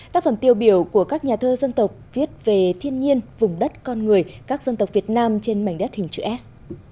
tác phẩm tiêu biểu của các nhà thơ dân tộc viết về thiên nhiên vùng đất con người các dân tộc việt nam trên mảnh đất hình chữ s